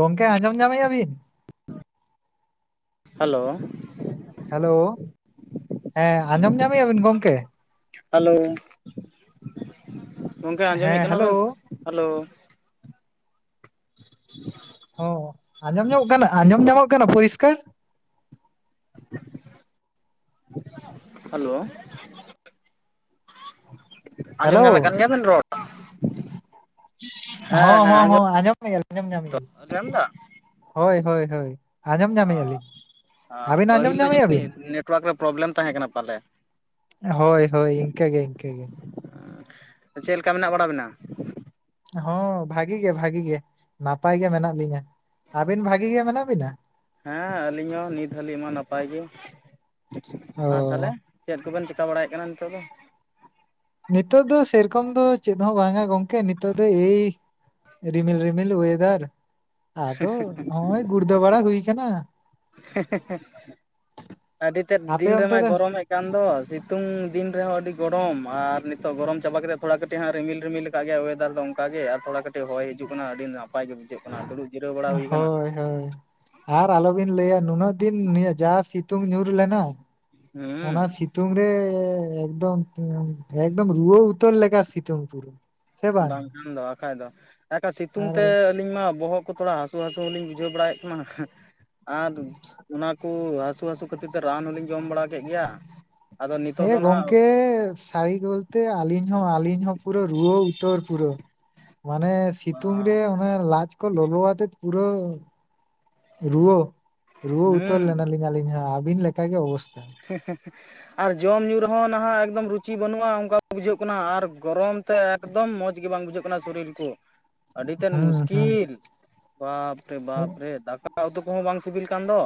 ᱜᱚᱝᱠᱮ ᱟᱸᱡᱚᱢ ᱧᱟᱢᱮᱜᱼᱟ ᱵᱤᱱ? ᱦᱟᱞᱳ᱾ ᱦᱟᱞᱳ, ᱦᱮᱸ ᱟᱸᱡᱚᱢ ᱧᱟᱢᱮᱜᱼᱟ ᱵᱤᱱ ᱜᱚᱝᱠᱮ? ᱦᱟᱞᱳ, ᱜᱚᱝᱠᱮ ᱟᱸᱡᱚᱢᱮᱜ ᱦᱮᱸ ᱠᱟᱱᱟ ᱦᱮᱞᱳ ᱵᱮᱱ? ᱦᱟᱞᱳ᱾ [inaudible] ᱦᱚᱸ ᱟᱸᱡᱚᱢ ᱧᱟᱢᱚᱜ ᱠᱟᱱᱟ ᱟᱸᱡᱚᱢ ᱧᱟᱢᱚᱜ ᱠᱟᱱᱟ ᱯᱚᱨᱤᱥᱠᱟᱨ? ᱦᱟᱞᱳ᱾ ᱦᱮᱞᱳ ᱟᱸᱡᱚᱢ ᱧᱟᱢᱮᱜ ᱠᱟᱱ ᱜᱮᱭᱟ ᱵᱮᱱ ᱨᱚᱲ? ᱦᱮᱸ ᱦᱚᱸ ᱦᱮᱸ ᱦᱚᱸ ᱟᱸᱡᱚᱢ ᱦᱚᱸ ᱟᱹᱡᱚᱢ [inaudible] ᱟᱸᱡᱚᱢ ᱧᱟᱢᱮᱜᱼᱟᱹ ᱞᱤᱧ ᱟᱸᱡᱚᱢ ᱫᱟ ᱦᱳᱭ ᱦᱳᱭ ᱦᱳᱭ ᱟᱸᱡᱚᱢ ᱧᱟᱢᱮᱜᱼᱟ ᱞᱤᱧ᱾ ᱦᱚ ᱟᱹᱵᱤᱱ ᱟᱸᱡᱚᱢ ᱯᱟᱹᱦᱤᱞ ᱫᱚ ᱧᱟᱢᱮᱜᱼᱟ ᱵᱤᱱ? ᱡᱟᱹᱱᱤᱡ ᱱᱮᱴᱣᱟᱨᱠ ᱨᱮ ᱯᱨᱚᱵᱞᱮᱢ ᱛᱟᱦᱮᱸ ᱠᱟᱱᱟ ᱯᱟᱞᱮ? ᱦᱳᱭ ᱦᱳᱭ ᱤᱝᱠᱟᱹ ᱜᱮ ᱤᱝᱠᱟᱹ ᱜᱮ᱾ ᱪᱮᱜ ᱞᱮᱠᱟ ᱢᱮᱱᱟᱜ ᱵᱟᱲᱟ ᱵᱮᱱᱟ? ᱦᱚᱸ ᱵᱷᱟᱜᱤ ᱜᱮ ᱵᱷᱟᱜᱤ ᱜᱮ ᱱᱟᱯᱟᱭ ᱜᱮ ᱢᱮᱱᱟᱜ ᱞᱤᱧᱟ᱾ ᱟᱹᱵᱮᱱ ᱵᱷᱟᱜᱤ ᱜᱮ ᱢᱮᱱᱟᱜ ᱵᱤᱱᱟ? ᱦᱮᱸ ᱟᱹᱞᱤᱧ ᱦᱚᱸ ᱱᱤᱛ ᱦᱟᱹᱞᱤᱜ ᱢᱟ ᱱᱟᱯᱟᱭ ᱜᱮ, ᱚ ᱟᱨ ᱛᱟᱦᱞᱮ ᱪᱮᱫ ᱠᱚᱵᱮᱱ ᱪᱤᱠᱟᱹ ᱵᱟᱲᱟᱭᱮᱜ ᱠᱟᱱᱟ ᱱᱤᱛᱚᱜ ᱫᱚ? ᱱᱤᱛᱚᱜ ᱫᱚ ᱥᱮᱨᱚᱠᱚᱢ ᱫᱚ ᱪᱮᱫ ᱦᱚᱸ ᱵᱟᱝᱟ ᱜᱚᱝᱠᱮ ᱱᱤᱛᱚᱜ ᱫᱚ ᱮᱭ ᱨᱤᱢᱤᱞ ᱨᱤᱢᱤᱞ ᱳᱭᱮᱫᱟᱨ ᱟᱫᱚ ᱦᱚᱸᱜᱼᱚᱭ ᱜᱩᱲᱫᱟᱹ ᱵᱟᱲᱟ ᱦᱩᱭ ᱠᱟᱱᱟ᱾ ᱟᱹᱰᱤ ᱛᱮᱫ ᱟᱯᱮ ᱫᱤᱱ ᱚᱱᱛᱮ ᱨᱮᱢᱟ ᱫᱚ ᱜᱚᱨᱚᱢ ᱢᱮᱜ ᱠᱟᱱ ᱫᱚ ᱥᱤᱛᱩᱝ ᱫᱤᱱ ᱨᱮᱦᱚᱸ ᱟᱹᱰᱤ ᱜᱚᱨᱚᱢ ᱟᱨ ᱱᱤᱛᱚᱜ ᱜᱚᱨᱚᱢ ᱪᱟᱵᱟ ᱠᱟᱛᱮ ᱛᱷᱚᱲᱟ ᱠᱟᱹᱴᱤᱡ ᱦᱟᱸᱜ ᱨᱤᱢᱤᱞ ᱨᱤᱢᱤᱞ ᱠᱟ ᱜᱮᱭᱟ ᱚᱭᱮᱫᱟᱨ ᱫᱚ ᱚᱝᱠᱟ ᱜᱮ ᱟᱨ ᱛᱷᱚᱲᱟ ᱠᱟᱹᱴᱤᱡ ᱦᱚᱭ ᱦᱤᱡᱩᱜ ᱠᱟᱱᱟ ᱟᱹᱰᱤ ᱱᱟᱯᱟᱭ ᱜᱮ ᱵᱩᱡᱷᱟᱹᱜ ᱠᱟᱱᱟ ᱫᱩᱲᱩᱵ ᱡᱤᱨᱟᱹᱣ ᱵᱟᱲᱟ ᱦᱩᱭ ᱠᱟᱱᱟ᱾ ᱦᱳᱭ ᱦᱳᱭ ᱟᱨ ᱟᱞᱚᱵᱤᱱ ᱞᱟᱹᱭᱟ ᱱᱩᱱᱟᱹᱜ ᱫᱤᱱ ᱱᱤᱭᱟᱹ ᱡᱟ ᱥᱤᱛᱩᱝ ᱧᱩᱨ ᱞᱮᱱᱟ᱾ ᱚᱱᱟ ᱦᱩᱸ ᱥᱤ ᱛᱩᱝ ᱨᱮ ᱮᱠᱫᱚᱢ ᱮᱠᱫᱚᱢ ᱨᱩᱣᱟᱹ ᱩᱛᱟᱹᱨ ᱞᱮᱠᱟ ᱥᱤᱛᱩᱝ ᱯᱩᱨᱟᱹ᱾ ᱵᱟᱝ ᱠᱷᱟᱱ ᱫᱚ ᱟᱠᱷᱟᱡ ᱫᱚ ᱮᱠᱟ ᱥᱤᱛᱩᱝ ᱟᱨ ᱛᱮ ᱟᱹᱞᱤᱧ ᱢᱟ ᱵᱚᱦᱚᱜ ᱠᱚ ᱛᱷᱚᱲᱟ ᱦᱟᱹᱥᱩ ᱦᱟᱹᱥᱩ ᱦᱚᱞᱤᱧ ᱵᱩᱡᱷᱟᱹᱣ ᱵᱟᱲᱟᱭᱮᱜ ᱠᱟᱱᱟ ᱟᱨ ᱚᱱᱟ ᱠᱩ ᱦᱟᱹᱥᱩ ᱦᱟᱹᱥᱩ ᱠᱷᱟᱹᱛᱤᱨ ᱛᱮ ᱨᱟᱱ ᱦᱚᱞᱤᱧ ᱡᱚᱢ ᱵᱟᱲᱟ ᱠᱮᱜ ᱜᱮᱭᱟ᱾ ᱟᱫᱚ ᱱᱤᱛᱚᱜ ᱮ ᱫᱚ ᱱᱟᱦᱟᱜ ᱜᱚᱝᱠᱮ ᱥᱟᱹᱨᱤ ᱜᱚᱞᱛᱮ ᱟᱹᱞᱤᱧ ᱦᱚᱸ ᱟᱹᱞᱤᱧ ᱦᱚᱸ ᱯᱩᱨᱟᱹ ᱨᱩᱣᱟᱹ ᱩᱛᱟᱹᱨ ᱯᱩᱨᱟᱹ ᱢᱟᱱᱮ ᱥᱤᱛᱩᱝ ᱨᱮ ᱚᱱᱮ ᱞᱟᱡ ᱠᱚ ᱞᱚᱞᱚ ᱟᱛᱮᱡ ᱯᱩᱨᱟᱹ ᱨᱩᱣᱟᱹ ᱨᱩᱣᱟᱹ ᱩᱛᱟᱹᱨ ᱦᱩᱸ ᱞᱮᱱᱟ ᱞᱤᱧ᱾ ᱟᱹᱧᱞᱤᱧ ᱦᱚᱸ ᱟᱹᱵᱤᱱ ᱞᱮᱠᱟ ᱜᱮ ᱚᱵᱚᱥᱛᱷᱟ᱾ ᱟᱨ ᱡᱚᱢ ᱧᱩ ᱨᱮᱦᱚᱸ ᱱᱟᱦᱟᱜ ᱮᱠᱫᱚᱢ ᱨᱩᱪᱤ ᱵᱟᱹᱱᱩᱜᱼᱟ ᱚᱝᱠᱟ ᱵᱩᱡᱷᱟᱹᱜ ᱠᱟᱱᱟ ᱟᱨ ᱜᱚᱨᱚᱢ ᱛᱮ ᱮᱠᱫᱚᱢ ᱢᱚᱡᱽ ᱜᱮ ᱵᱟᱝ ᱵᱩᱡᱷᱟᱹᱜ ᱠᱟᱱᱟ ᱥᱚᱨᱤᱞ ᱠᱚ᱾ ᱟᱹᱰᱤᱛᱮᱫ ᱦᱩᱸ ᱦᱩᱸ ᱢᱩᱥᱠᱤᱞ ᱵᱟᱯᱨᱮ ᱵᱟᱯᱨᱮ ᱫᱟᱠᱟ ᱫᱟᱠᱟ ᱩᱛᱩ ᱠᱚᱦᱚᱸ ᱵᱟᱝ ᱥᱤᱵᱤᱞ ᱠᱟᱱ ᱫᱚ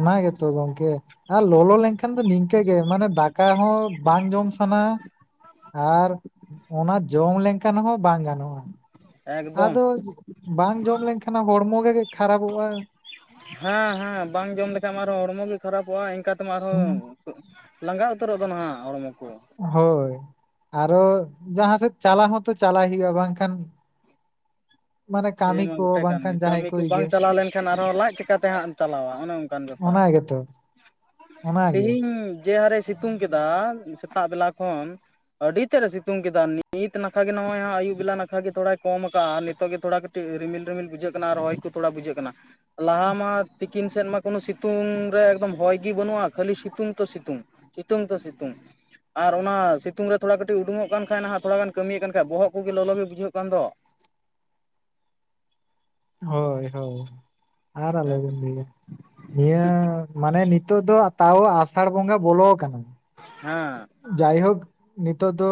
ᱚᱱᱟ ᱜᱮᱛᱚ ᱜᱚᱢᱠᱮ ᱟᱨ ᱞᱚᱞᱚ ᱞᱮᱱᱠᱷᱟᱱ ᱫᱚ ᱱᱤᱝᱠᱟᱹ ᱜᱮ, ᱢᱟᱱᱮ ᱫᱟᱠᱟ ᱦᱚᱸ ᱵᱟᱝ ᱡᱚᱢ ᱥᱟᱱᱟ ᱟᱨ ᱚᱱᱟ ᱡᱚᱢ ᱞᱮᱱᱠᱷᱟᱱ ᱦᱚᱸ ᱵᱟᱝ ᱜᱟᱱᱚᱜ-ᱟ᱾ ᱮᱠᱫᱚᱢ ᱟᱫᱚ ᱵᱟᱝ ᱡᱚᱢ ᱞᱮᱱᱠᱷᱟᱱ ᱦᱚᱲᱢᱚ ᱜᱮ ᱠᱷᱟᱨᱟᱵᱚᱜ-ᱟ᱾ ᱦᱮᱸ ᱦᱮᱸ ᱵᱟᱝ ᱡᱚᱢ ᱞᱮᱠᱷᱟᱡ ᱢᱟ ᱟᱨᱦᱚᱸ ᱦᱚᱲᱢᱚ ᱜᱮ ᱠᱷᱟᱨᱟᱯᱚᱜ-ᱟ, ᱤᱱᱠᱟ ᱛᱮᱢᱟ ᱟᱨᱦᱚᱸ ᱦᱩᱸ, ᱞᱟᱸᱜᱟ ᱩᱛᱟᱹᱨᱚᱜ ᱫᱚ ᱱᱟᱦᱟᱸᱜ ᱦᱚᱲᱢᱚ ᱠᱚ ᱦᱳᱭ ᱟᱨᱚ ᱡᱟᱦᱟᱸ ᱥᱮᱫ ᱪᱟᱞᱟᱣ ᱦᱚᱸᱛᱚ ᱪᱟᱞᱟᱭ ᱦᱩᱭᱩᱜ-ᱟ, ᱵᱟᱝᱠᱷᱟᱱ ᱢᱟᱱᱮ ᱥᱮ ᱠᱟᱹᱢᱤ ᱢᱟ ᱠᱚ ᱜᱚᱴᱮ ᱠᱟᱱ ᱜᱮ ᱵᱟᱝᱠᱷᱟᱱ ᱡᱟᱦᱟᱸᱭ ᱠᱟᱹᱢᱤ ᱠᱚ ᱵᱟᱝ ᱤᱭᱟᱹ ᱪᱟᱞᱟᱣ ᱞᱮᱱᱠᱷᱟᱱ ᱟᱨᱦᱚᱸ ᱞᱟᱡ ᱪᱠᱟᱛᱮ ᱦᱟᱸᱜ ᱮᱢ ᱪᱟᱞᱟᱣᱟ ᱚᱱᱮ ᱚᱱᱠᱟᱱ ᱵᱮᱯ ᱚᱱᱟ ᱜᱮᱛᱚ ᱚᱱᱟᱜᱮ ᱛᱮᱦᱤᱧ ᱡᱮ ᱦᱟᱨᱮ ᱥᱤᱛᱩᱝ ᱠᱮᱫᱟ ᱥᱮᱛᱟᱜ ᱵᱮᱞᱟ ᱠᱷᱚᱱ ᱟᱹᱰᱤ ᱛᱮᱫ ᱮ ᱥᱤᱛᱩᱝ ᱠᱮᱫᱟ ᱱᱤᱛ ᱱᱟᱠᱷᱟ ᱜᱮ ᱱᱚᱜ-ᱚᱭ ᱟᱹᱭᱩᱵ ᱵᱮᱞᱟ ᱱᱟᱠᱷᱟᱜ ᱜᱮ ᱛᱷᱚᱲᱟᱭ ᱠᱚᱢ ᱠᱟᱜ-ᱟ, ᱱᱤᱛᱚᱜ ᱜᱮ ᱛᱷᱚᱲᱟ [unintelligible] ᱨᱤᱢᱤᱞ ᱨᱤᱢᱤᱞ ᱵᱩᱡᱷᱟᱹᱜ ᱠᱟᱱᱟ ᱟᱨ ᱦᱚᱭ ᱠᱚ ᱛᱷᱚᱲᱟ ᱵᱩᱡᱷᱟᱹᱜ ᱠᱟᱱᱟ, ᱞᱟᱦᱟ ᱢᱟ ᱛᱤᱠᱤᱱ ᱥᱮᱫ ᱢᱟ ᱠᱳᱱᱳ ᱥᱤᱛᱩᱝ ᱨᱮ ᱮᱠᱫᱚᱢ ᱦᱚᱭᱜᱤ ᱵᱟᱹᱱᱩᱜ-ᱟ, ᱠᱷᱟᱹᱞᱤ ᱥᱤᱛᱩᱝ ᱛᱚ ᱥᱤᱛᱩᱝ ᱥᱤᱛᱩᱝ ᱛᱚ ᱥᱤᱛᱩᱝ ᱟᱨ ᱚᱱᱟ ᱥᱤᱛᱩᱝ ᱛᱷᱚᱲᱟ ᱠᱟᱹᱴᱤᱡ ᱩᱰᱩᱝᱚᱜ ᱠᱟᱱ ᱠᱷᱟᱡ ᱱᱟᱦᱟᱸᱜ ᱛᱷᱚᱲᱟ ᱜᱟᱱ ᱠᱟᱹᱢᱤᱭᱮᱫ ᱠᱟᱱ ᱠᱷᱟᱡ ᱵᱚᱦᱚᱜ ᱠᱚᱜᱮ ᱞᱚᱞᱚᱜ ᱜᱮ ᱵᱩᱡᱷᱟᱹᱜ ᱠᱟᱱ ᱫᱚ᱾ ᱦᱳᱭ ᱦᱳᱭ, ᱟᱨ ᱦᱮᱸ ᱟᱞᱚᱵᱤᱱ ᱞᱟᱹᱭᱟ ᱱᱤᱭᱟᱹ ᱢᱟᱱᱮ ᱱᱤᱛᱚᱜ ᱫᱚ ᱛᱟᱣ ᱟᱥᱟᱲ ᱵᱚᱸᱜᱟ ᱵᱚᱞᱚ ᱟᱠᱟᱱᱟ᱾ ᱦᱮᱸ ᱡᱟᱭᱦᱳᱠ ᱱᱤᱛᱚᱜ ᱫᱚ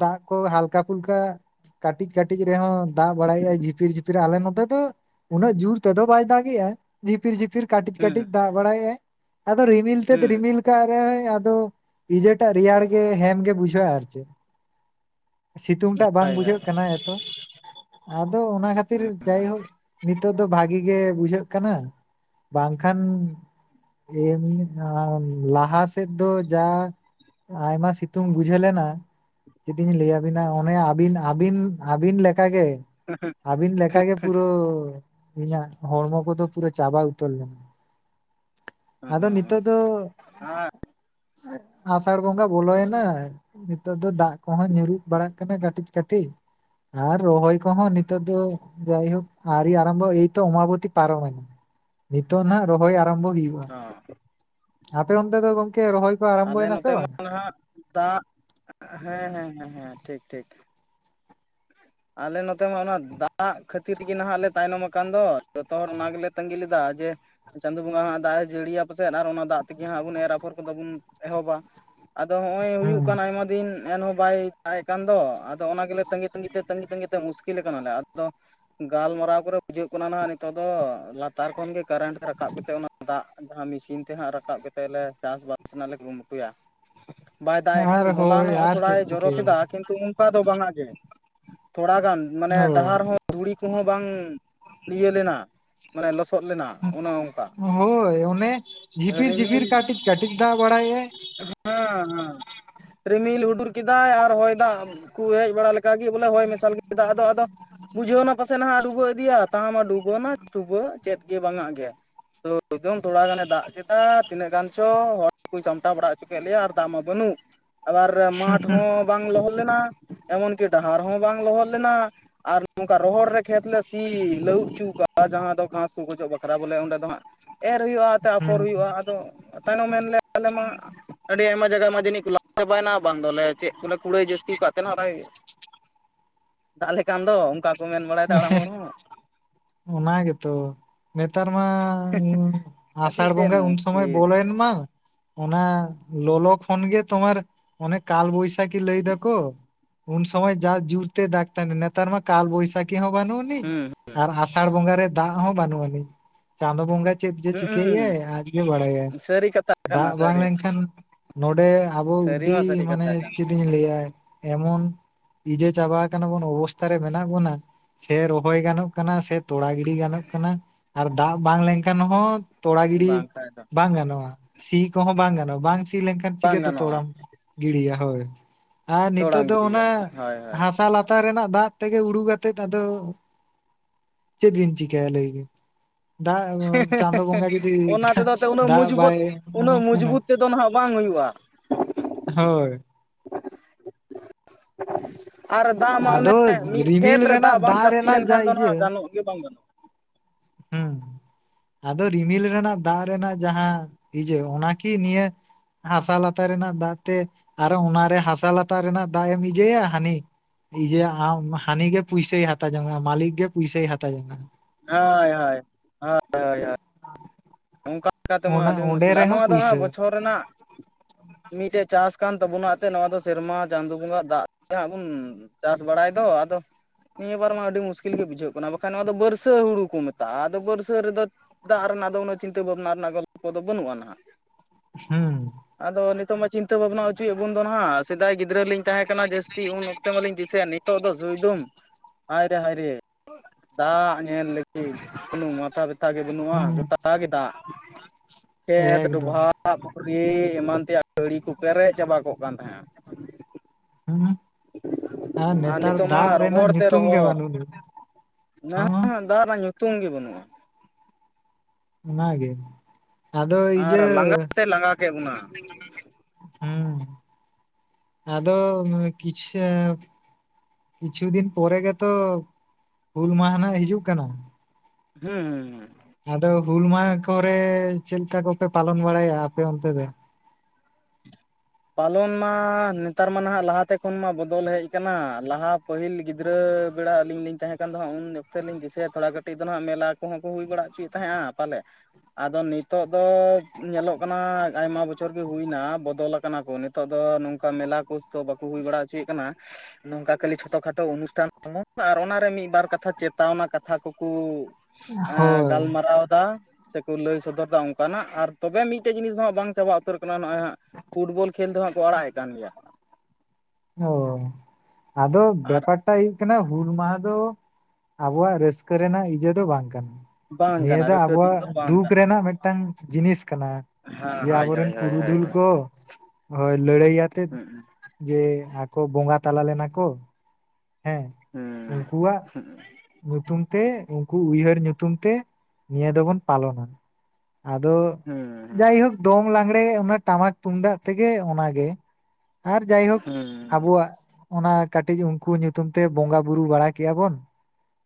ᱫᱟᱜ ᱠᱚ ᱦᱟᱞᱠᱟ ᱯᱷᱩᱞᱠᱟ ᱠᱟᱴᱤᱡ ᱠᱟᱴᱤᱡ ᱨᱮᱦᱚᱸ ᱫᱟᱜ ᱵᱟᱲᱟᱭᱮᱫ-ᱟᱭ ᱡᱷᱤᱯᱤᱨ-ᱡᱷᱤᱯᱤᱨ ᱟᱞᱮ ᱱᱚᱛᱮ ᱫᱚ ᱩᱱᱟᱹᱜ ᱡᱩᱨ ᱛᱮᱫᱚ ᱵᱟᱭ ᱫᱟᱜᱮᱜ-ᱟ᱾ ᱡᱷᱤᱯᱤᱨ ᱡᱷᱤᱯᱤᱨ ᱠᱟᱹᱴᱤᱡ ᱦᱩᱸ ᱦᱩᱸ ᱠᱟᱹᱴᱤᱡ ᱫᱟᱜ ᱵᱟᱲᱟᱭᱮᱫ ᱟᱭ ᱟᱫᱚ ᱨᱤᱢᱤᱞ ᱛᱮᱫ ᱦᱩᱸ ᱨᱤᱢᱤᱞ ᱠᱟᱜ ᱨᱮᱦᱳᱭ ᱟᱫᱚ ᱤᱡᱟᱹᱴᱟᱜ ᱨᱮᱭᱟᱲ ᱜᱮ ᱦᱮᱢ ᱜᱮ ᱵᱩᱡᱷᱟᱹᱜᱼᱟ ᱟᱨ ᱪᱮᱫ᱾ ᱥᱤᱛᱩᱝ ᱴᱟᱜ ᱵᱟᱝ ᱦᱳᱭ ᱦᱳᱭ ᱵᱩᱡᱷᱟᱹᱜ ᱦᱳᱭ ᱠᱟᱱᱟ ᱮᱛᱚ, ᱟᱫᱚ ᱚᱱᱟ ᱠᱷᱟᱛᱤᱨ ᱡᱟᱭᱦᱳᱠ ᱱᱤᱛᱚᱜ ᱫᱚ ᱵᱷᱟᱜᱤ ᱜᱮ ᱵᱩᱡᱷᱟᱹᱜ ᱠᱟᱱᱟ ᱵᱟᱝᱠᱷᱟᱱ ᱮᱢ ᱟᱱ ᱞᱟᱦᱟ ᱥᱮᱫ ᱫᱚ ᱡᱟ ᱟᱭᱢᱟ ᱥᱤᱛᱩᱝ ᱵᱩᱡᱷᱟᱹ ᱞᱮᱱᱟ ᱡᱩᱫᱤᱧ ᱞᱟᱹᱭ ᱟᱹᱵᱤᱱᱟ ᱚᱱᱮ ᱟᱹᱵᱤᱱ ᱟᱹᱵᱤᱱ ᱟᱹᱵᱤᱱ ᱞᱮᱠᱟᱜᱮ ᱟᱹᱵᱤᱱ ᱞᱮᱠᱟᱜᱮ ᱳ ᱤᱧᱟᱹᱜ ᱦᱚᱲᱢᱚ ᱠᱚᱫᱚ ᱯᱩᱨᱟᱹ ᱪᱟᱵᱟ ᱩᱛᱟᱹᱨ ᱞᱮᱱᱟ ᱦᱮᱸ ᱟᱫᱚ ᱱᱤᱛᱚᱜ ᱦᱮᱸ ᱫᱚ ᱦᱮᱸ ᱟᱥᱟᱲ ᱵᱚᱸᱜᱟ ᱵᱚᱞᱚᱭᱱᱟ ᱱᱤᱛᱚᱜ ᱫᱚ ᱫᱟᱜ ᱠᱚᱦᱚᱸ ᱧᱩᱨᱩᱜ ᱵᱟᱲᱟᱜ ᱠᱟᱱᱟ ᱠᱟᱹᱴᱤᱡ ᱠᱟᱹᱴᱤᱡ, ᱟᱨ ᱨᱚᱦᱚᱭ ᱠᱚᱦᱚᱸ ᱱᱤᱛᱚᱜ ᱫᱚ ᱡᱟᱭᱦᱳᱠ ᱟᱨᱤ ᱟᱨᱟᱢᱵᱚ ᱮᱭᱛᱚ ᱚᱢᱟᱵᱚᱛᱤ ᱯᱟᱨᱚᱢ ᱮᱱᱟ ᱱᱤᱛᱚᱜ ᱱᱟᱦᱟᱸᱜ ᱨᱚᱦᱚᱭ ᱟᱨᱟᱢᱵᱚᱜ ᱦᱩᱭᱩᱜᱼᱟ, ᱦᱮᱸ ᱟᱯᱮ ᱚᱱᱛᱮ ᱫᱚ ᱜᱚᱢᱠᱮ ᱨᱚᱦᱚᱭ ᱠᱚ ᱟᱞᱮ ᱟᱨᱟᱢᱵᱚᱭᱱᱟ ᱥᱮ ᱱᱚᱛᱮ ᱢᱟ ᱵᱟᱝ? ᱱᱟᱦᱟᱜ ᱫᱟᱜ ᱦᱮᱸ ᱦᱮᱸ ᱦᱮᱸ ᱦᱮᱸ ᱴᱷᱤᱠ ᱴᱷᱤᱠ ᱟᱞᱮ ᱱᱚᱛᱮ ᱢᱟ ᱚᱱᱟ ᱫᱟᱜ ᱠᱷᱟᱹᱛᱤᱨ ᱜᱮ ᱱᱟᱦᱟᱸᱜ ᱞᱮ ᱛᱟᱭᱱᱚᱢ ᱠᱟᱱ ᱫᱚ ᱡᱚᱛᱚ ᱦᱚᱲ ᱚᱱᱟ ᱜᱮᱞᱮ ᱛᱟᱸᱜᱤ ᱞᱮᱫᱟ ᱡᱮ ᱪᱟᱸᱫᱳ ᱵᱚᱸᱜᱟ ᱦᱟᱸᱜ ᱫᱟᱜ ᱮ ᱡᱟᱹᱲᱤᱭᱟ ᱯᱟᱥᱮᱡ ᱟᱨ ᱚᱱᱟ ᱫᱟᱜ ᱛᱮᱜᱮ ᱦᱟᱸᱜ ᱵᱚᱱ ᱮᱨ ᱟᱯᱷᱚᱨ ᱠᱚᱫᱚ ᱵᱚᱱ ᱮᱦᱚᱵᱟ ᱟᱫᱚ ᱦᱚᱸᱜ-ᱚᱭ ᱦᱩᱭᱩᱜ ᱠᱟᱱ ᱦᱩᱸ ᱟᱭᱢᱟ ᱫᱤᱱ ᱮᱱᱦᱚᱸ ᱵᱟᱭ ᱫᱟᱜ-ᱮᱫ ᱠᱟᱱ ᱫᱚ ᱟᱫᱚ ᱚᱱᱟ ᱜᱮᱞᱮ ᱛᱟᱸᱜᱤ ᱛᱟᱸᱜᱤ ᱛᱮ ᱛᱟᱸᱜᱤ ᱛᱟᱸᱜᱤ ᱛᱮ ᱢᱩᱥᱠᱤᱞ ᱠᱟᱱᱟᱞᱮ ᱟᱫᱚ ᱜᱟᱞᱢᱟᱨᱟᱣ ᱠᱚᱨᱮ ᱵᱩᱡᱷᱟᱹᱜ ᱠᱟᱱᱟ ᱱᱟᱦᱟᱸᱜ ᱱᱤᱛᱚᱜ ᱫᱚ ᱞᱟᱛᱟᱨ ᱠᱷᱚᱱ ᱜᱮ ᱠᱟᱨᱮᱱᱴ [unintelligible] ᱨᱟᱠᱟᱵ ᱠᱟᱛᱮ ᱟᱱᱟ ᱫᱟᱜ ᱡᱟᱦᱟᱸ ᱢᱮᱥᱤᱱ ᱛᱮ ᱦᱟᱸᱜ ᱨᱟᱠᱟᱵ ᱠᱮᱛᱮᱜ ᱞᱮ ᱪᱟᱥᱵᱟᱥ ᱨᱮᱱᱟᱜ ᱞᱮ ᱠᱩᱨᱩᱢᱩᱴᱩᱭᱟ ᱵᱟᱭ ᱫᱟᱜ-ᱮᱜ ᱠᱩ ᱟᱨ ᱦᱚᱞᱟ ᱦᱳᱭ ᱱᱚᱜ ᱟᱨ ᱛᱷᱚᱲᱟᱭ ᱪᱮᱫ ᱡᱚᱨᱚ ᱠᱮᱫᱟ ᱪᱤᱠᱟᱹᱭᱟᱵᱤᱱ ᱠᱤᱱᱛᱩ ᱩᱱ ᱚᱱᱠᱟ ᱫᱚ ᱵᱟᱝ ᱜᱮ ᱛᱷᱚᱲᱟ ᱜᱟᱱ ᱢᱟᱱᱮ ᱦᱳᱭ ᱰᱟᱦᱟᱨ ᱦᱚᱸ ᱛᱩᱸᱲᱤ ᱠᱚᱦᱚᱸ ᱵᱟᱝ ᱤᱭᱟᱹ ᱞᱮᱱᱟ᱾ ᱢᱟᱱᱮ ᱞᱚᱥᱚᱫ ᱞᱮᱱᱟ ᱚᱱᱮ ᱚᱱᱠᱟ ᱦᱚᱸᱭ ᱚᱱᱮ ᱡᱤᱯᱤᱨ ᱨᱤᱢᱤᱞ ᱡᱤᱯᱤᱨ ᱠᱟᱹᱴᱤᱡ ᱠᱟᱹᱴᱤᱡ ᱫᱟᱜ ᱵᱟᱲᱟᱭᱮᱜ-ᱟᱭ᱾ ᱦᱟᱸ ᱦᱟᱸ᱾ ᱨᱤᱢᱤᱞ ᱦᱩᱰᱩᱨ ᱠᱮᱫᱟᱭ ᱟᱨ ᱦᱚᱭ ᱫᱟᱜ ᱠᱚ ᱦᱮᱡ ᱵᱟᱲᱟ ᱞᱮᱠ᱾ ᱠᱟᱜᱤ ᱵᱚᱞᱮ ᱦᱚᱭ ᱢᱮᱥᱟᱞ ᱜᱤ ᱫᱟᱜ ᱫᱟᱜ ᱟᱫᱚ ᱟᱫᱚ ᱵᱩᱡᱷᱟᱹᱣ ᱱᱟ ᱯᱟᱥᱮᱜ ᱱᱟᱦᱟᱜ ᱰᱩᱵᱟᱹ ᱤᱫᱤᱭᱟ ᱛᱟᱦᱟ ᱢᱟ ᱰᱩᱵᱟᱹ ᱱᱟ ᱴᱩᱵᱟᱹᱜ ᱪᱮᱫ ᱜᱮ ᱵᱟᱝᱟᱜ ᱜᱮ᱾ [unintelligible] ᱛᱷᱚᱲᱟ ᱜᱟᱱᱮ ᱫᱟᱜ ᱠᱮᱫᱟ ᱛᱤᱱᱟᱹᱜ ᱜᱟᱱ ᱪᱚ ᱦᱚᱲ ᱠᱚᱭ ᱥᱟᱢᱴᱟᱣ ᱵᱟᱲᱟ ᱠᱮᱫ ᱞᱮᱭᱟ ᱟᱨ ᱫᱟᱜ ᱢᱟ ᱵᱟᱹᱱᱩᱜ ᱟᱵᱟᱨ ᱢᱟᱴᱷ ᱦᱚᱸ ᱵᱟᱝ ᱞᱚᱦᱚᱫ ᱞᱮᱱᱟ ᱮᱢᱚᱱ ᱠᱤ ᱰᱟᱦᱟᱨ ᱦᱚᱸ ᱵᱟᱝ ᱞᱚᱦᱚᱫ ᱞᱮᱱᱟ᱾ ᱟᱨ ᱱᱚᱝᱠᱟ ᱨᱚᱦᱚᱲ ᱨᱮ ᱠᱷᱮᱛ ᱞᱮ ᱥᱤ ᱞᱟᱹᱦᱩᱫ ᱩᱪᱩᱣ ᱠᱟᱜᱼᱟ ᱡᱟᱦᱟᱸ ᱫᱚ ᱜᱷᱟᱸᱥ ᱠᱚ ᱜᱚᱡᱚᱜ ᱵᱟᱠᱷᱨᱟ ᱵᱚᱞᱮ ᱚᱸᱰᱮ ᱫᱚ ᱦᱟᱸᱜ ᱮᱨ ᱦᱩᱭᱩᱜᱼᱟ ᱮᱛᱮ ᱟᱯᱷᱚᱨ ᱦᱩᱸ ᱦᱩᱭᱩᱜᱼᱟ ᱟᱫᱚ ᱛᱟᱭᱱᱚᱢᱮᱱ ᱞᱮ ᱟᱞᱮ ᱢᱟ᱾ ᱟᱹᱰᱤ ᱟᱭᱢᱟ ᱡᱟᱭᱜᱟ ᱢᱟ ᱡᱟᱹᱱᱤᱡ ᱠᱚ ᱞᱟᱦᱟᱸ ᱪᱟᱵᱟᱭᱮᱱᱟ ᱵᱟᱝ ᱫᱚᱞᱮ ᱪᱮᱫ ᱠᱚᱞᱮ ᱠᱩᱲᱟᱹᱭ ᱡᱟᱹᱥᱛᱤᱣ ᱠᱟᱜ ᱛᱟᱦᱮᱱᱟ, ᱵᱟᱭ ᱫᱟᱜ ᱟᱞᱮᱠᱟᱱ ᱫᱚ ᱚᱱᱠᱟ ᱠᱚ ᱢᱮᱱ ᱵᱟᱲᱟᱭᱮᱫᱟ ᱦᱟᱲᱟᱢ ᱦᱚᱲ ᱦᱚᱸ᱾ ᱚᱱᱟ ᱜᱮᱛᱚ᱾ ᱱᱮᱛᱟᱨ ᱢᱟ ᱟᱹᱰᱤ ᱟᱥᱟᱲ ᱛᱮᱫ ᱵᱚᱸᱜᱟ ᱩᱱ ᱥᱚᱢᱚᱭ ᱢᱩᱥᱠᱤᱞ ᱵᱚᱞᱚᱭᱮᱱ ᱢᱟ ᱚᱱᱟ ᱞᱚᱞᱚ ᱠᱷᱚᱱ ᱜᱮ ᱛᱚᱢᱟᱨ ᱚᱱᱮ ᱠᱟᱞ ᱵᱟᱹᱭᱥᱟᱠᱤ ᱞᱟᱹᱭ ᱫᱟᱠᱚ ᱩᱱ ᱥᱚᱢᱚᱭ ᱡᱟ ᱡᱩᱨᱛᱮ ᱫᱟᱠ ᱛᱟᱦᱮᱸᱱᱮ, ᱱᱮᱛᱟᱨ ᱢᱟ ᱠᱟᱞ ᱵᱟᱹᱭᱥᱟᱠᱤ ᱦᱚᱸ ᱵᱟᱹᱱᱩᱜ-ᱟᱱᱤᱡ᱾ ᱦᱩᱸ ᱟᱨ ᱟᱥᱟᱲ ᱵᱚᱸᱜᱟ ᱨᱮ ᱫᱟᱜ ᱦᱚᱸ ᱵᱟᱹᱱᱩᱜ ᱟᱹᱱᱤᱡ᱾ ᱪᱟᱸᱫᱳ ᱵᱚᱸᱜᱟ ᱪᱮᱫ ᱡᱮ ᱦᱩᱸ ᱦᱩᱸ ᱪᱤᱠᱟᱹᱭᱮᱜ-ᱟᱭ ᱟᱡᱜᱮᱭ ᱵᱟᱰᱟᱭᱟᱭ᱾ ᱥᱟᱹᱨᱤ ᱠᱟᱛᱷᱟ ᱫᱟᱜ ᱠᱟᱱᱟ ᱵᱟᱝ ᱥᱟᱹᱨᱤ ᱞᱮᱱᱠᱷᱟᱱ ᱱᱚᱸᱰᱮ ᱟᱵᱚ ᱥᱟᱹᱨᱤ ᱩᱰᱤ ᱢᱟ ᱥᱟᱹᱨᱤ ᱢᱟᱱᱮ ᱠᱟᱛᱷᱟ ᱠᱟᱱ ᱪᱮᱫ ᱤᱧᱤᱧ ᱞᱟᱹᱭᱟᱭ ᱮᱢᱚᱱ ᱵᱤᱡᱮ ᱪᱟᱵᱟ ᱟᱠᱟᱱᱟ ᱵᱚᱱ ᱚᱵᱚᱥᱛᱷᱟ ᱨᱮ ᱢᱮᱱᱟᱜ ᱵᱚᱱᱟ ᱥᱮ ᱨᱚᱦᱚᱭ ᱜᱟᱱᱚᱜ ᱠᱟᱱᱟ ᱥᱮ ᱛᱚᱲᱟ ᱜᱤᱰᱤ ᱜᱟᱱᱚᱜ ᱠᱟᱱᱟ ᱟᱨ ᱫᱟᱜ ᱵᱟᱝ ᱞᱮᱱᱠᱷᱟᱱ ᱦᱚᱸ ᱛᱚᱲᱟ ᱜᱤᱲᱤ ᱵᱟᱝᱠᱷᱟᱡ ᱫᱚ ᱵᱟᱝ ᱜᱟᱱᱚᱜᱼᱟ, ᱥᱤ ᱠᱚᱦᱚᱸ ᱵᱟᱝ ᱜᱟᱱᱚᱜᱼᱟ ᱵᱟᱝ ᱥᱤ ᱞᱮᱱᱠᱷᱟᱱ ᱵᱟᱝ ᱪᱤᱠᱟᱹᱛᱮ ᱜᱟᱱᱚᱜᱼᱟ ᱛᱚᱲᱟᱢ ᱜᱤᱲᱤᱭᱟ ᱦᱳᱭ ᱟᱨ ᱱᱤᱛᱚᱜ ᱛᱚᱲᱟᱢ ᱫᱚ ᱚᱱᱟ ᱜᱤᱰᱤᱭᱟ ᱦᱳᱭ ᱦᱳᱭ ᱦᱟᱥᱟ ᱞᱟᱛ ᱛᱟᱨ ᱨᱮᱱᱟᱜ ᱫᱟᱜ ᱛᱮᱜᱮ ᱩᱰᱩᱜ ᱟᱛᱮᱛ ᱟᱫᱚ ᱪᱮᱫ ᱵᱤᱱ ᱪᱤᱠᱟᱹᱭᱟ ᱞᱟᱹᱭ ᱵᱤᱱ? ᱫᱟᱜ ᱜᱚ ᱪᱟᱸᱫᱳ ᱵᱚᱸᱜᱟ ᱡᱩᱫᱤ ᱦᱚᱸ ᱚᱱᱟ ᱛᱮᱫᱚ ᱫᱟᱜ ᱵᱟᱭ ᱮᱢᱚᱜ ᱠᱟᱱᱟ ᱫᱚ ᱱᱟᱦᱟᱜ ᱵᱟᱝ ᱦᱩᱭᱩᱜᱼᱟ᱾ ᱦᱳᱭ᱾ [inaudible] ᱟᱨ ᱫᱟᱜ ᱢᱟ ᱚᱱᱮ ᱟᱫᱚ ᱢᱤᱫ ᱠᱷᱮᱛ ᱨᱤᱢᱤᱞ ᱨᱮ ᱫᱟᱜ ᱨᱮᱱᱟᱜ ᱵᱟᱝ ᱡᱟᱹᱯᱤ ᱨᱮᱱᱟᱜ ᱞᱮᱱᱠᱷᱟᱱ ᱡᱟ ᱫᱚ ᱱᱟᱦᱥᱜ ᱤᱭᱟᱹ ᱜᱟᱱᱚᱜᱼᱟ᱾ ᱪᱮᱫ ᱵᱟᱝ ᱜᱟᱱᱚᱼᱟ? ᱦᱩᱸ [inaudible] ᱟᱫᱚ ᱨᱤᱢᱤᱞ ᱨᱮᱱᱟᱜ ᱫᱟᱜ ᱨᱮᱱᱟᱜ ᱡᱟᱦᱟᱸ ᱤᱡᱟᱹ ᱚᱱᱟᱠᱤ ᱱᱤᱭᱟᱹ ᱦᱟᱥᱟ ᱞᱟᱛᱟᱨ ᱨᱮᱱᱟᱜ ᱫᱟᱜ ᱛᱮ ᱟᱨᱚ ᱚᱱᱟᱨᱮ ᱦᱟᱥᱟ ᱞᱟᱛᱟᱨ ᱨᱮᱱᱟᱜ ᱫᱟᱜ ᱮᱢ ᱤᱡᱟᱹᱭᱟ ᱦᱟᱹᱱᱤ ᱤᱡᱟᱹᱭᱟ ᱟᱢ ᱦᱟᱱᱤ ᱜᱮ ᱯᱩᱭᱥᱟᱹᱭ ᱦᱟᱛᱟ ᱡᱚᱝᱼᱟ, ᱢᱟᱞᱤᱠ ᱜᱮ ᱯᱩᱭᱥᱟᱹᱭ ᱦᱟᱛᱟ ᱡᱚᱝᱼᱟ᱾ ᱦᱳᱭ ᱦᱳᱭ ᱾ ᱚᱱᱠᱟ ᱞᱮᱠᱟᱛᱮᱢᱟ ᱚᱱᱟ ᱟᱹᱰᱤ ᱚᱸᱰᱮ ᱢᱩᱥᱠᱤᱞ ᱟᱨ ᱨᱮᱦᱚᱸ ᱱᱚᱣᱟ ᱫᱚ ᱦᱟᱸᱜ ᱯᱩᱭᱥᱟᱹ ᱵᱚᱪᱷᱚᱨ ᱨᱮᱱᱟᱜ ᱢᱤᱫᱴᱮᱡ ᱪᱟᱥ ᱠᱟᱱ ᱛᱟᱵᱚᱱᱟ ᱮᱱᱛᱜ ᱱᱚᱣᱟ ᱫᱚ ᱥᱮᱨᱢᱟ ᱪᱟᱸᱫᱳ ᱵᱚᱸᱜᱟᱣᱟᱜ ᱫᱟᱜ ᱛᱮ ᱦᱟᱸᱜ ᱵᱩᱱ ᱪᱟᱥ ᱵᱟᱲᱟᱭ ᱫᱚ ᱟᱫᱚ ᱱᱤᱭᱟᱹᱵᱟᱨ ᱢᱟ ᱟᱹᱰᱤ ᱢᱩᱥᱠᱤᱞ ᱜᱮ ᱵᱩᱡᱷᱟᱹᱜ ᱠᱟᱱᱟ, ᱵᱟᱠᱷᱟᱱ ᱱᱚᱣᱟ ᱫᱚ ᱵᱟᱹᱨᱥᱟᱹ ᱦᱩᱲᱩ ᱠᱚ ᱢᱮᱛᱟᱜᱼᱟ, ᱟᱫᱚ ᱵᱟᱹᱨᱥᱟᱹ ᱨᱮᱫᱚ ᱫᱟᱜ ᱨᱮᱱᱟᱜ ᱫᱚ ᱩᱱᱟᱹᱜ ᱪᱤᱱᱛᱟᱹ ᱵᱷᱟᱵᱽᱱᱟ ᱨᱮᱱᱟᱜ ᱜᱚᱞᱯᱚ ᱠᱚᱫᱚ ᱵᱟᱹᱱᱩᱜᱼᱟ ᱱᱟᱦᱟᱜ᱾ ᱦᱩᱸ᱾ ᱟᱫᱚ ᱱᱤᱛᱚᱜ ᱢᱟ, ᱪᱤᱱᱛᱟᱹ ᱵᱷᱟᱵᱱᱟ ᱚᱪᱚᱭᱮᱫ ᱵᱚᱱ ᱫᱚ ᱱᱟ ᱦᱟᱸᱜ᱾ ᱥᱮᱫᱟᱭ ᱜᱤᱫᱽᱨᱟᱹ ᱞᱤᱧ ᱛᱟᱦᱮᱸ ᱠᱟᱱᱟ ᱡᱟᱹᱥᱛᱤ, ᱩᱱ ᱚᱠᱛᱮ ᱢᱟᱞᱤᱧ ᱫᱤᱥᱟᱹᱭᱟ ᱱ ᱱᱤᱛᱚᱜ ᱫᱚ ᱥᱩᱭᱫᱩᱢ, ᱦᱟᱭᱨᱮ ᱦᱟᱭᱨᱮ ᱾ ᱫᱟᱜ ᱧᱮᱞ ᱞᱟᱹᱜᱤᱫ ᱵᱩᱞᱩᱝ ᱢᱟᱛᱷᱟ ᱜᱚᱴᱟ ᱜᱮ ᱵᱟᱹᱱᱩᱜᱼᱟ᱾ ᱦᱩᱸ ᱜᱚᱴᱟ ᱜᱮ ᱫᱟᱜ ᱠᱷᱮᱛ, ᱮᱠᱫᱚᱢ ᱰᱚᱵᱦᱟᱜ᱾ ᱫᱟᱜ ᱯᱩᱠᱷᱨᱤ ᱮᱢᱟᱱ ᱛᱮᱭᱟᱜ ᱥᱟᱹᱲᱤ ᱠᱚ, ᱯᱮᱨᱮᱡ ᱪᱟᱵᱟ ᱠᱚᱜ ᱠᱟᱱ ᱛᱟᱦᱮᱸᱼᱟ᱾ ᱦᱩᱸ᱾ ᱟᱨ ᱱᱮᱛᱟᱨ ᱱᱤᱛᱚᱜ ᱫᱟᱜ ᱢᱟ ᱨᱮᱱᱟᱜ ᱨᱚᱦᱚᱲ ᱛᱮ ᱧᱩᱛᱩᱢ ᱜᱮ ᱨᱚᱦᱚᱲ ᱵᱟᱹᱱᱩᱜ ᱞᱮᱠᱟ [unintelligible] ᱾ ᱱᱟᱦᱟᱜ ᱫᱟᱜ ᱨᱮᱱᱟᱜ ᱧᱩᱛᱩᱢ ᱜᱮ ᱵᱟᱹᱱᱩᱜᱼᱟ᱾ ᱚᱱᱟ ᱜᱮ ᱟᱫᱚ ᱟᱨ ᱤᱡᱟ. ᱞᱟᱸᱜᱟ ᱛᱮ ᱞᱟᱸᱜᱟ ᱠᱮᱫ ᱵᱚᱱᱟ [unintelligible] ᱦᱮᱸ, ᱟᱫᱚ ᱱᱩᱭ ᱠᱤᱪᱷᱟ ᱠᱤᱪᱷᱩ ᱫᱤᱱ ᱯᱚᱨᱮ ᱜᱮᱛᱚ, ᱦᱩᱞ ᱢᱟᱦᱟᱱᱟᱜ ᱦᱤᱡᱩᱜ ᱠᱟᱱᱟ᱾ ᱦᱩᱸ, ᱦᱩᱸ, ᱦᱩᱸ ᱾ ᱟᱫᱚ ᱦᱩᱞ ᱢᱟᱦᱟ ᱠᱚᱨᱮ ᱪᱮᱫᱠᱟ ᱠᱚᱯᱮ, ᱯᱟᱞᱚᱱ ᱵᱟᱲᱟᱭᱟ ᱟᱯᱮ ᱚᱱᱛᱮ ᱫᱚ᱾ ᱯᱟᱞᱚᱱ ᱢᱟ ᱱᱮᱛᱟᱨ ᱢᱟ ᱱᱟᱦᱟᱜ ᱞᱟᱦᱟᱛᱮ ᱠᱷᱚᱱ ᱢᱟ ᱵᱚᱫᱚᱞ ᱦᱮᱡ ᱟᱠᱟᱱᱟ, ᱞᱟᱦᱟ ᱯᱟᱹᱦᱤᱞ ᱜᱤᱫᱽᱨᱟᱹ ᱜᱤᱫᱽᱨᱟᱹ ᱵᱮᱲᱟ ᱟᱹᱞᱤᱧ ᱞᱤᱧ ᱛᱟᱦᱮᱸᱠ ᱫᱚ ᱦᱟᱸᱜ, ᱩᱱ ᱚᱠᱛᱚᱞᱤᱧ ᱫᱤᱥᱟᱹᱭᱟ ᱛᱷᱚᱲᱟ ᱠᱟᱹᱴᱤᱡ ᱫᱚ ᱱᱟᱦᱟᱜ ᱢᱮᱞᱟ ᱠᱚᱦᱚᱸ ᱠᱚ ᱦᱩᱭ ᱵᱟᱲᱟ ᱚᱪᱚᱭᱮᱫ ᱛᱟᱦᱮᱸᱫᱼᱟ ᱾ ᱯᱟᱞᱮ ᱟᱫᱚ ᱱᱤᱛᱚᱜ ᱫᱚ ᱧᱮᱞᱚᱜ ᱠᱟᱱᱟ, ᱟᱭᱢᱟ ᱵᱚᱪᱷᱚᱨ ᱜᱮ ᱦᱩᱭᱱᱟ ᱵᱚᱫᱚᱞ ᱟᱠᱟᱱᱟ ᱾ ᱠᱟᱱᱟ ᱠᱚ᱾ ᱱᱤᱛᱚᱜ ᱫᱚ ᱱᱚᱝᱠᱟ ᱢᱮᱞᱟ ᱠᱚ ᱥᱚᱵ ᱵᱟᱠᱚ ᱦᱩᱭ ᱵᱟᱲᱟ ᱦᱚᱪᱚᱭᱮᱫ ᱠᱟᱱᱟ᱾ ᱱᱚᱝᱠᱟ ᱠᱷᱟᱹᱞᱤ ᱪᱷᱳᱴᱚ ᱠᱷᱟᱴᱳ ᱚᱱᱩᱥᱴᱷᱟᱱ ᱥᱩᱢᱩᱝ, ᱟᱨ ᱚᱱᱟᱨᱮ ᱢᱤᱫ ᱵᱟᱨ ᱠᱟᱛᱷᱟ ᱪᱮᱛᱟᱣᱱᱟ ᱠᱟᱛᱷᱟ ᱠᱚᱠᱚ ᱟ ᱦᱳᱭ ᱜᱟᱞ ᱢᱟᱨᱟᱣ ᱮᱫᱟ᱾ ᱥᱮᱠᱚ ᱞᱟᱹᱭ ᱥᱚᱫᱚᱨ ᱮᱫᱟ, ᱚᱱᱠᱟᱱᱟᱜ ᱟᱨ ᱛᱚᱵᱮ ᱢᱤᱫᱴᱮᱡ ᱡᱤᱱᱤᱥ ᱫᱚᱜ ᱵᱟᱝ ᱪᱟᱵᱟ ᱩᱛᱟᱹᱨ ᱠᱟᱱᱟ᱾ ᱱᱚᱜᱼᱚᱭ ᱦᱟᱸᱜ [inaudible] ᱯᱷᱩᱴᱵᱚᱞ ᱠᱷᱮᱞ ᱫᱚ ᱦᱟᱸᱜ ᱠᱚ ᱟᱲᱟᱜ ᱮ ᱠᱟᱱ ᱜᱮᱭᱟ᱾ ᱚ, ᱟᱫᱚ ᱟᱨ ᱵᱮᱯᱟᱨ ᱮᱴᱟᱜ ᱦᱩᱭᱩᱜ ᱠᱟᱱᱟ, ᱦᱩᱞ ᱢᱟᱦᱟ ᱫᱚ ᱟᱵᱚᱣᱟᱜ ᱨᱟᱹᱥᱠᱟᱹ ᱨᱮᱱᱟᱜ ᱤᱡᱟᱹ ᱫᱚ ᱵᱟᱝ ᱠᱟᱱᱟ᱾ ᱵᱟᱝ ᱱᱤᱭᱟᱹ ᱠᱟᱱᱟ ᱫᱚ ᱨᱟᱹᱥᱠᱟᱹ ᱫᱤᱱ ᱟᱵᱚᱣᱟᱜ ᱫᱚ ᱵᱟᱝ ᱫᱩᱠ ᱠᱟᱱᱟ ᱨᱮᱱᱟᱜ ᱢᱤᱫᱴᱟᱝ ᱡᱤᱱᱤᱥ ᱠᱟᱱᱟ᱾ ᱡᱮ ᱦᱮᱸ ᱦᱳᱭ ᱟᱵᱚᱨᱮᱱ ᱦᱳᱭ ᱦᱳᱭ ᱯᱩᱨᱩᱫᱷᱩᱞ ᱦᱳᱭ ᱠᱚ, ᱦᱳᱭ ᱞᱟᱹᱲᱦᱟᱹᱭ ᱟᱛᱮᱫ ᱦᱩᱸ ᱡᱮ ᱟᱠᱚ ᱵᱚᱸᱜᱟ ᱛᱟᱞᱟ ᱞᱮᱱᱟ ᱠᱚ, ᱦᱮᱸ ᱦᱩᱸ ᱩᱱᱠᱩᱣᱟᱜ [inaudible] ᱧᱩᱛᱩᱢ ᱛᱮ, ᱩᱱᱠᱩ ᱩᱭᱦᱟᱹᱨ ᱧᱩᱛᱩᱢ ᱛᱮ, ᱱᱤᱭᱟᱹ ᱫᱚᱵᱚᱱ ᱯᱟᱞᱚᱱᱟ᱾ ᱟᱫᱚ ᱦᱩᱸ ᱡᱟᱭ ᱦᱳᱠ ᱫᱚᱝ ᱞᱟᱜᱽᱲᱮ ᱚᱱᱟ ᱴᱟᱢᱟᱠ, ᱛᱩᱢᱫᱟᱜ ᱛᱮᱜᱮ ᱚᱱᱟᱜᱮ ᱟᱨ ᱡᱟᱭ ᱦᱳᱠ ᱦᱩᱸ ᱟᱵᱚᱣᱟᱜ ᱚᱱᱟ ᱠᱟᱹᱴᱤᱡ ᱩᱱᱠᱩ ᱧᱩᱛᱩᱢ ᱛᱮ, ᱵᱚᱸᱜᱟ ᱵᱩᱨᱩ ᱵᱟᱲᱟ ᱠᱮᱜᱼᱟ ᱵᱚᱱ᱾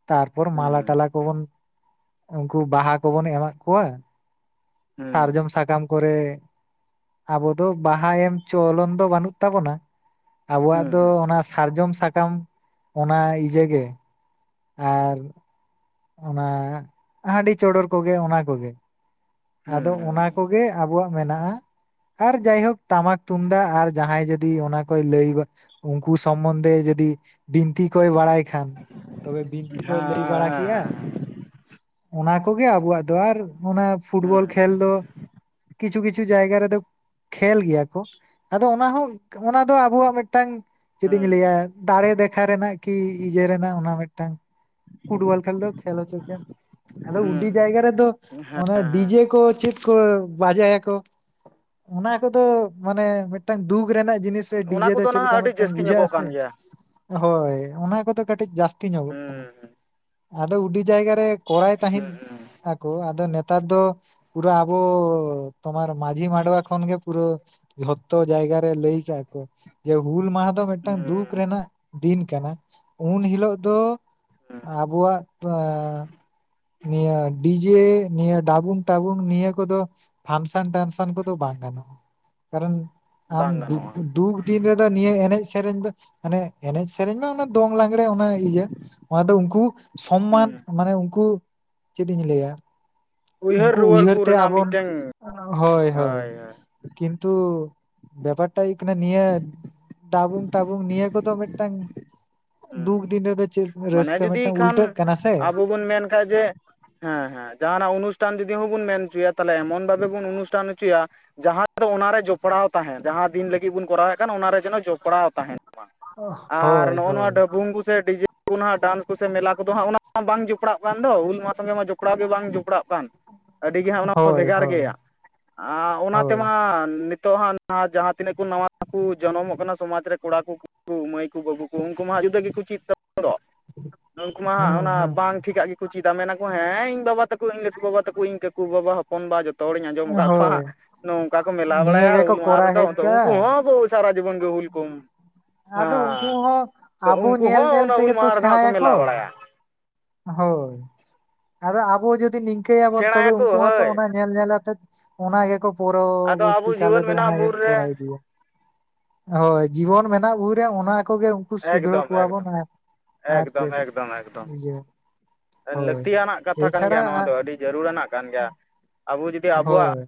ᱛᱟᱨᱯᱚᱨ ᱢᱟᱞᱟ ᱦᱩᱸ ᱴᱟᱞᱟ ᱠᱚᱵᱚᱱ, ᱩᱱᱠᱩ ᱵᱟᱦᱟ ᱠᱚᱵᱚᱱ ᱮᱢᱟᱜ ᱠᱚᱣᱟ᱾ ᱦᱮᱸ ᱾ ᱥᱟᱨᱡᱚᱢ ᱥᱟᱠᱟᱢ ᱠᱚᱨᱮ ᱾ ᱟᱵᱚ ᱫᱚ ᱵᱟᱦᱟ ᱮᱢ ᱪᱚᱞᱚᱱ ᱫᱚ ᱵᱟᱹᱱᱩᱜ ᱛᱟᱵᱚᱱᱟ ᱾ ᱟᱵᱚᱣᱟᱜ ᱦᱩᱸ ᱫᱚ ᱦᱩᱸ ᱚᱱᱟ ᱥᱟᱨᱡᱚᱢ ᱥᱟᱠᱟᱢ ᱚᱱᱟ ᱤᱡᱟᱹ ᱜᱮ᱾ ᱟᱨ ᱚᱱᱟ ᱦᱟᱺᱰᱤ ᱪᱚᱰᱚᱨ ᱠᱚᱜᱮ ᱚᱱᱟ ᱠᱚᱜᱮ᱾ ᱟᱫᱚ ᱦᱮᱸ ᱚᱱᱟ ᱠᱚᱜᱮ ᱟᱵᱚᱣᱟᱜ ᱢᱮᱱᱟᱜᱼᱟ᱾ ᱟᱨ ᱡᱟᱭᱦᱳᱠ ᱴᱟᱢᱟᱠ ᱛᱩᱢᱫᱟᱜ ᱟᱨ ᱡᱟᱦᱟᱸᱭ ᱡᱚᱫᱤ ᱚᱱᱟ ᱠᱚᱭ ᱞᱟᱹᱭ ᱩᱱᱠᱩ ᱥᱚᱢᱵᱚᱱᱫᱷᱮ, ᱡᱩᱫᱤ ᱵᱤᱱᱛᱤ ᱠᱚ ᱵᱟᱲᱟᱭ ᱠᱷᱟᱱ ᱛᱚᱵᱮ ᱵᱤᱱᱛᱤ ᱠᱚ ᱞᱟᱹᱭ ᱵᱟᱲᱟ ᱠᱮᱜᱼᱟ᱾ ᱚᱱᱟ ᱠᱚᱜᱮ ᱟᱵᱚᱣᱟᱜ ᱫᱚ, ᱟᱨ ᱚᱱᱟ ᱯᱷᱩᱴᱵᱚᱞ ᱠᱷᱮᱞ ᱦᱩᱸ ᱫᱚ ᱠᱤᱪᱷᱩ ᱠᱤᱪᱷᱩ ᱡᱟᱭᱜᱟ ᱨᱮᱫᱚ ᱠᱷᱮᱞ ᱜᱮᱭᱟ ᱠᱚ, ᱟᱫᱚ ᱚᱱᱟ ᱦᱚᱸ ᱚᱱᱟ ᱫᱚ ᱟᱵᱚᱣᱟᱜ ᱢᱤᱫᱴᱟᱝ ᱪᱮᱫ ᱤᱧ ᱦᱩᱸ ᱞᱟᱹᱭᱟ ᱫᱟᱲᱮ ᱫᱮᱠᱷᱟ ᱨᱮᱱᱟᱜ ᱠᱤ ᱤᱭᱟᱹ ᱨᱮᱱᱟᱜ ᱚᱱᱟ ᱢᱤᱫᱴᱟᱝ ᱯᱷᱩᱴᱵᱚᱞ ᱠᱷᱮᱞ ᱫᱚ, ᱠᱷᱮᱞ ᱚᱪᱚ ᱠᱮᱭᱢ ᱟᱫᱚ ᱦᱩᱸ ᱩᱰᱤ ᱦᱮᱸ ᱡᱟᱭᱜᱟ ᱨᱮ ᱫᱚ ᱚᱱᱮ [inaudible] ᱠᱚ ᱪᱮᱫ ᱠᱚ ᱵᱟᱡᱟᱭᱟ ᱠᱚ ᱚᱱᱟ ᱠᱚᱫᱚ ᱢᱟᱱᱮ ᱢᱤᱫᱴᱟᱝ ᱫᱩᱠ ᱨᱮᱱᱟᱜ ᱡᱤᱱᱤᱥ ᱚᱱᱟ ᱰᱤᱡᱮ ᱫᱚ ᱠᱚᱫᱚ ᱪᱮᱫ ᱱᱟᱦᱟᱜ ᱠᱟ ᱟᱹᱰᱤ ᱢᱤᱫᱴᱟᱝ ᱡᱟᱹᱥᱛᱤ ᱵᱩᱡᱟᱹᱜ ᱧᱚᱜᱚᱜ ᱟᱥᱮ, ᱠᱟᱱ ᱜᱮᱭᱟ ᱦᱳᱭ ᱚᱱᱟ ᱠᱚᱫᱚ ᱠᱟᱹᱴᱤᱡ ᱡᱟᱹᱥᱛᱤ ᱧᱚᱜᱚᱜ ᱠᱟᱱᱟ᱾ ᱦᱩᱸ ᱟᱫᱚ ᱩᱹᱰᱤ ᱡᱟᱭᱜᱟ ᱨᱮ ᱠᱚᱨᱟᱭ ᱛᱟᱦᱮᱸᱫ ᱦᱩᱸ ᱟᱠᱚ ᱟᱫᱚ ᱱᱮ ᱱᱮᱛᱟᱨ ᱫᱚ ᱯᱩᱨᱟᱹ ᱟᱵᱚ ᱛᱳᱢᱟᱨ ᱢᱟᱹᱡᱷᱤ ᱢᱟᱰᱣᱟ ᱠᱷᱚᱱ ᱜᱮ ᱯᱩᱨᱟᱹ ᱡᱷᱚᱛᱚ ᱡᱟᱭᱜᱟ ᱨᱮ ᱞᱟᱹᱭ ᱠᱟᱜ ᱟᱠᱚ ᱡᱮ ᱦᱩᱞ ᱢᱟᱦᱟ ᱫᱚ ᱢᱤᱫᱴᱟᱝ ᱦᱩᱸ ᱫᱩᱠ ᱨᱮᱱᱟᱜ ᱫᱤᱱ ᱠᱟᱱᱟ ᱩᱱ ᱦᱤᱞᱳᱜ ᱫᱚ ᱟᱵᱚᱣᱟᱜ [unintelligible] ᱱᱤᱭᱟᱹ ᱰᱤᱡᱮ ᱱᱤᱭᱟᱹ ᱰᱟᱵᱩᱝ ᱴᱟᱵᱩᱝ ᱱᱤᱭᱟᱹ ᱠᱚᱫᱚ ᱯᱷᱟᱱᱥᱟᱱ ᱴᱟᱱᱥᱚᱱ ᱠᱚᱫᱚ ᱵᱟᱝ ᱜᱟᱱᱚᱜᱼᱟ, ᱠᱟᱨᱚᱱ ᱟᱢ ᱵᱟᱝ ᱫᱩᱠ ᱜᱟᱱᱚᱜᱼᱟ ᱫᱩᱠ ᱫᱤᱱ ᱨᱮᱫᱚ ᱱᱤᱭᱟᱹ ᱮᱱᱮᱡ ᱥᱮᱨᱮᱧ ᱫᱚ ᱢᱟᱱᱮ ᱮᱱᱮᱡ ᱥᱮᱨᱮᱧ ᱢᱮ ᱚᱱᱟ ᱫᱚᱝ ᱞᱟᱜᱽᱲᱮ ᱚᱱᱟ ᱤᱭᱟᱹ ᱚᱱᱟ ᱫᱚ ᱩᱱᱠᱩ ᱥᱚᱢᱢᱟᱱ ᱦᱩᱸ ᱢᱟᱱᱮ ᱩᱱᱠᱩ ᱪᱮᱫ ᱤᱧ ᱞᱟᱹᱭᱟ, ᱩᱱᱠᱩ ᱨᱩᱣᱟᱹᱲ ᱩᱭᱦᱟᱹᱨ ᱠᱚ ᱛᱮ ᱨᱮᱱᱟᱜ ᱟᱵᱚᱱ ᱢᱤᱫᱴᱟᱝ ᱦᱳᱭ ᱦᱳᱭ, ᱠᱤᱱᱛᱩ ᱵᱮᱯᱟᱨ ᱴᱟᱜ ᱦᱩᱭᱩᱜ ᱠᱟᱱᱟ ᱱᱤᱭᱟᱹ ᱰᱟᱵᱩᱝ ᱴᱟᱵᱩᱝ ᱱᱤᱭᱟᱹ ᱠᱚᱫᱚ ᱢᱤᱫᱴᱟᱝ ᱦᱩᱸ ᱫᱩᱠ ᱫᱤᱱ ᱨᱮᱫᱚ ᱪᱮᱫ ᱢᱟᱱᱮ ᱨᱟᱹᱥᱠᱟᱹ ᱡᱩᱫᱤ ᱢᱤᱫᱴᱟᱝ ᱩᱞᱴᱟᱹᱜ ᱠᱷᱟᱱ ᱠᱟᱱᱟ ᱥᱮ, [inaudible] ᱢᱮᱱ ᱠᱷᱟᱡ ᱡᱮ ᱦᱮᱸ ᱦᱮᱸ ᱡᱟᱦᱟᱱᱟᱜ ᱚᱱᱩᱥᱴᱷᱟᱱ ᱡᱩᱫᱤ ᱦᱚᱸ ᱵᱚᱱ ᱢᱮᱱ ᱦᱚᱪᱚᱭᱟ ᱛᱟᱦᱚᱞᱮ ᱮᱢᱚᱱ ᱵᱷᱟᱵᱮ ᱵᱚᱱ ᱚᱱᱩᱥᱴᱷᱟᱱ ᱦᱚᱪᱚᱭᱟ ᱡᱟᱦᱟᱸ ᱫᱚ ᱚᱱᱟᱨᱮ ᱡᱚᱯᱲᱟᱣ ᱛᱟᱦᱮᱸᱱ ᱡᱟᱦᱟᱸ ᱫᱤᱱ ᱞᱟᱹᱜᱤᱫ ᱵᱚᱱ ᱠᱚᱨᱟᱣᱮᱫ ᱠᱟᱱ ᱚᱱᱟᱨᱮ ᱡᱮᱱᱚ ᱡᱚᱯᱲᱟᱣ ᱛᱟᱦᱮᱸᱱ ᱾ ᱟᱨ ᱦᱳᱭ ᱱᱚᱜᱼᱚ ᱦᱳᱭ ᱱᱚᱣᱟ ᱰᱟᱹᱵᱩᱝ ᱠᱚᱥᱮ ᱰᱤᱡᱮ ᱠᱚ ᱱᱟᱜ ᱰᱟᱱᱥ ᱠᱚ ᱥᱮ ᱢᱮᱞᱟ ᱠᱚᱫᱚ ᱦᱟᱸᱜ ᱚᱱᱟ ᱢᱟ ᱵᱟᱝ ᱡᱚᱯᱲᱟᱜ ᱠᱟᱱ ᱫᱚ ᱦᱩᱞ ᱢᱟᱦᱟ ᱥᱚᱜᱮ ᱢᱟ ᱡᱚᱯ ᱡᱚᱯᱲᱟᱣ ᱜᱮ ᱵᱟᱝ ᱡᱚᱯᱲᱟᱜ ᱠᱟᱱ, ᱟᱹᱰᱤᱜᱮ ᱦᱟᱸᱜ ᱚᱱᱟ ᱢᱟ ᱦᱳᱭ ᱵᱷᱮᱜᱟᱨ ᱦᱳᱭ ᱜᱮᱭᱟ ᱟᱨ ᱚᱱᱟ ᱦᱳᱭ ᱛᱮᱢᱟ ᱱᱤᱛᱚᱜ ᱦᱟᱸᱜ ᱡᱟᱦᱟᱸ ᱛᱤᱱᱟᱹᱜ ᱠᱚ ᱱᱟᱣᱟ ᱠᱚ ᱡᱚᱱᱚᱢᱚᱜ ᱠᱟᱱᱟ ᱥᱚᱢᱟᱡᱽ ᱨᱮ ᱠᱚᱲᱟ ᱠᱚ ᱠᱩ [inaudible] ᱢᱟᱹᱭ ᱠᱚ ᱵᱟᱹᱵᱩ ᱠᱚ ᱩᱱᱠᱩ ᱢᱟ ᱡᱩᱫᱟᱹ ᱜᱮᱠᱚ ᱪᱮᱫ ᱛᱟᱵᱚᱱ ᱫᱚ ᱩᱱᱠᱩ ᱢᱟ ᱦᱩᱸ ᱦᱟᱸᱜ ᱚᱱᱟ ᱦᱩᱸ ᱵᱟᱝ ᱴᱷᱤᱠᱟᱜ ᱜᱮᱠᱚ ᱪᱤᱫᱟ ᱢᱮᱱᱟ ᱠᱚ ᱦᱮᱸ ᱤᱧ ᱵᱟᱵᱟ ᱛᱟᱠᱚ ᱤᱧ ᱞᱟᱹᱴᱩ ᱵᱟᱵᱟ ᱛᱟᱠᱚ ᱤᱧ ᱠᱟᱠᱩ ᱵᱟᱵᱟ ᱦᱚᱯᱚᱱ ᱵᱟ ᱡᱚᱛᱚ ᱦᱚᱲᱤᱧ ᱟᱸᱡᱚᱢ ᱠᱟᱜ ᱠᱚᱣᱟ ᱦᱳᱭ ᱦᱟᱜ ᱱᱚᱝᱠᱟ ᱠᱚ ᱢᱮᱞᱟ ᱱᱤᱭᱟᱹ ᱵᱟᱲᱟᱭᱟ ᱜᱮᱠᱚ ᱦᱩᱞ ᱢᱟᱦᱟ ᱠᱚᱨᱟᱣ ᱨᱮᱫᱚ ᱦᱮᱡ ᱩᱱᱠᱩ ᱠᱟᱜᱼᱟ ᱦᱚᱸ ᱥᱟᱨᱟ ᱡᱤᱵᱚᱱ ᱜᱮ ᱦᱩᱞ ᱠᱚᱢ ᱟᱫᱚ ᱩᱱᱠᱩ ᱦᱚᱸ ᱟᱵᱚ ᱩᱱᱠᱩ ᱧᱮᱞ ᱦᱚᱸ ᱧᱮᱞ ᱚᱱᱟ ᱦᱩᱞ ᱛᱮᱜᱮ ᱛᱚ ᱢᱟᱦᱟ ᱨᱮᱫᱚ ᱦᱟᱸᱜ ᱠᱚ ᱢᱮᱞᱟ ᱥᱮᱬᱟᱭᱟᱠᱚ ᱵᱟᱲᱟᱭᱟ ᱦᱳᱭ ᱟᱫᱚ ᱟᱵᱚ ᱡᱩᱫᱤ ᱱᱤᱝᱠᱟᱹᱭᱟᱵᱚᱱ ᱛᱚᱵᱮ ᱥᱮᱬᱟᱭᱟᱠᱚ ᱩᱱᱠᱩ ᱦᱚᱸᱛᱚ ᱦᱳᱭ ᱚᱱᱟ ᱧᱮᱞ ᱧᱮᱞᱟᱛᱮᱫ ᱚᱱᱟ ᱜᱮᱠᱚ ᱟᱫᱚ ᱯᱩᱨᱚᱵᱚᱨᱛᱤ ᱟᱵᱚ ᱠᱟᱞ ᱡᱤᱭᱚᱱ ᱨᱮᱫᱚ ᱚᱱᱟ ᱢᱮᱱᱟᱜᱼᱟ ᱜᱮ ᱵᱩᱨ ᱠᱚᱨᱟᱣ ᱨᱮ ᱤᱫᱤᱭᱟ ᱦᱳᱭ ᱡᱤᱵᱚᱱ ᱢᱮᱱᱟᱜ ᱵᱷᱩᱨ ᱨᱮ ᱚᱱᱟ ᱠᱚᱜᱮ ᱩᱱᱠᱩ ᱥᱩᱫᱷᱟᱹᱣ ᱮᱠᱫᱚᱢ ᱠᱚᱣᱟ ᱵᱚᱱ ᱮᱠᱫᱚᱢ ᱟᱨ ᱟᱨ ᱪᱮᱫ ᱡᱮ ᱞᱟᱹᱠᱛᱤᱭᱟ ᱱᱟᱜ ᱠᱟᱛᱷᱟ ᱠᱟᱱ ᱜᱮᱭᱟ ᱱᱚᱣᱟ ᱫᱚ ᱟᱹᱰᱤ ᱡᱟᱹᱨᱩᱲᱟ ᱱᱟᱜ ᱠᱟᱱ ᱜᱮᱭᱟ ᱟᱵᱚ ᱡᱩᱫᱤ ᱟᱵᱚᱣᱟᱜ ᱦᱳᱭ